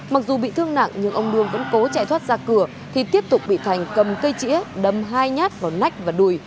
mặc dù bị thương nặng nhưng ông lương vẫn cố chạy thoát ra cửa thì tiếp tục bị thành cầm cây chĩa đâm hai nhát vào nách và đùi